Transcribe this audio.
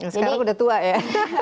sekarang udah tua ya